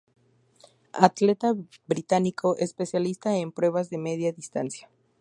Atleta británico especialista en pruebas de media distancia.